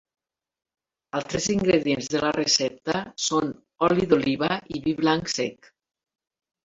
Altres ingredients de la recepta són oli d'oliva i vi blanc sec.